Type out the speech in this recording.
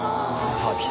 サービス。